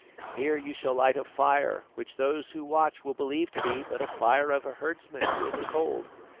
Here you shall light a fire, which those who watch will believe to be but the fire of a herdsman who is acold.